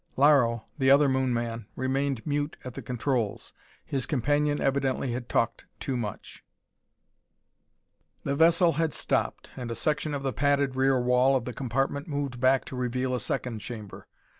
Laro, the other Moon man, remained mute at the controls. His companion evidently had talked too much. The vessel had stopped and a section of the padded rear wall of the compartment moved back to reveal a second chamber.